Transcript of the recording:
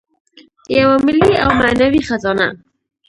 یوه ملي او معنوي خزانه.